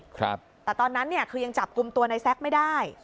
ครับแต่ตอนนั้นเนี่ยคือยังจับกลุ่มตัวในแซ็กไม่ได้